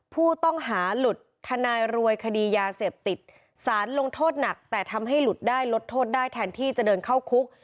ผู้ต้องหาหลุดทนายรวยคดียาเสพติดสารลงโทษหนักแต่ทำให้หลุดได้ลดโทษได้แทนที่จะเดินเข้าคุก